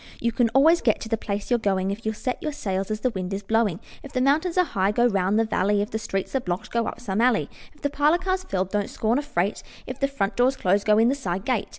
You can always get to the place you're going, If you'll set your sails as the wind is blowing. If the mountains are high, go round the valley; If the streets are blocked, go up some alley; If the parlor car's filled, don't scorn a freight; If the front door's closed, go in the side gate.